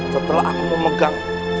setelah aku memegang